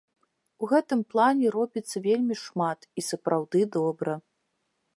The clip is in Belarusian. У гэтым плане робіцца вельмі шмат і сапраўды добра.